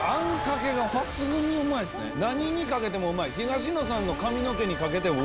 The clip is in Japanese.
何にかけてもうまい。